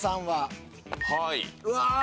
はい。